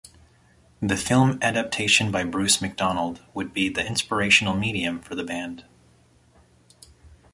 The film adaptation by Bruce McDonald would be the inspirational medium for the band.